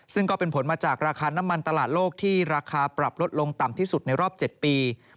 ซึ่งก็เป็นผลมาจากราคาน้ำมันตลาดโลกที่ราคาปรับลดลงต่ำที่สุดในรอบ๗ปี